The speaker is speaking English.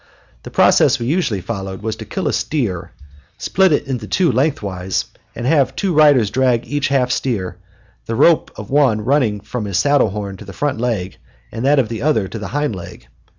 The process we usually followed was to kill a steer, split it in two lengthwise, and then have two riders drag each half steer, the rope of one running from his saddle horn to the front leg, and that of the other to the hind leg.